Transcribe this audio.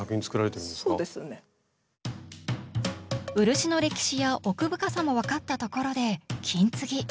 漆の歴史や奥深さも分かったところで金継ぎ。